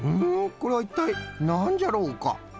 これはいったいなんじゃろうか？